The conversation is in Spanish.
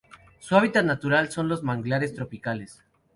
Su hábitat natural son los manglares tropicales.